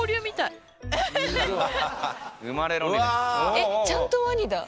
えっちゃんとワニだ。